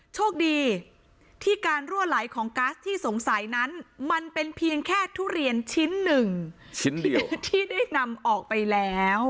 โชคดีที่การรั่วไหลของก๊าซที่สงสัยนั้นมันเป็นเพียงแค่ทุเรียนชิ้นหนึ่งชิ้นเดียวที่ได้นำออกไปแล้ว